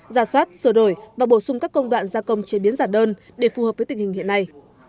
giả soát sửa đổi và bổ sung các công đoạn gia công chế biến giả đơn để phù hợp với tình hình hiện nay